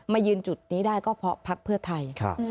ยืนจุดนี้ได้ก็เพราะพักเพื่อไทย